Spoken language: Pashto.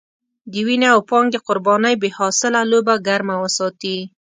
د وينې او پانګې قربانۍ بې حاصله لوبه ګرمه وساتي.